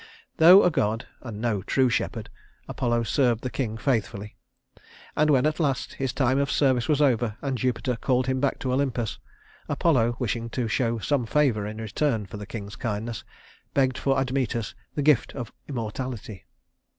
Though a god, and no true shepherd, Apollo served the king faithfully, and when, at last, his time of service was over and Jupiter called him back to Olympus, Apollo, wishing to show some favor in return for the king's kindness, begged for Admetus the gift of immortality.